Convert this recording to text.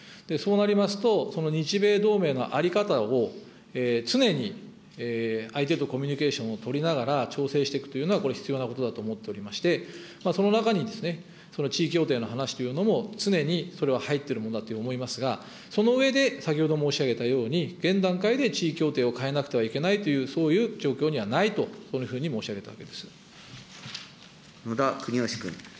そうなりますと、その日米同盟の在り方を常に相手とコミュニケーションを取りながら調整していくというのは、これ、必要なことだと思っておりまして、その中にその地位協定の話というのも常にそれは入っているものだと思いますが、その上で先ほど申し上げたように、現段階で、地位協定を変えなくてはいけないという、そういう状況ではないと、そ野田国義君。